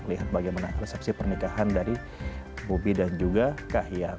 lihat bagaimana resepsi pernikahan dari bobi dan juga kak hiang